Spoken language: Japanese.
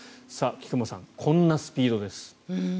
菊間さん、こんなスピードです。